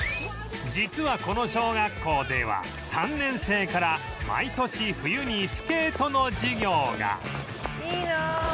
実はこの小学校では３年生から毎年冬にスケートの授業が